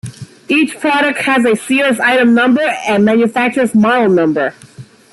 Each product has a Sears item-number and a manufacturer's model-number.